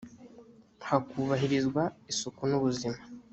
hakubahirizwa isuku n ubuzima